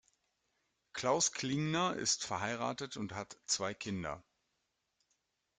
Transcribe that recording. Klaus Klingner ist verheiratet und hat zwei Kinder.